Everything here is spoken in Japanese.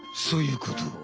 そういうこと。